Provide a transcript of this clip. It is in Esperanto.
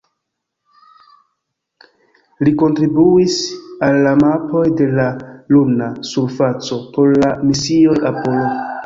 Li kontribuis al la mapoj de la luna surfaco por la misioj Apollo.